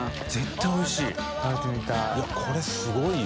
いこれすごいよ。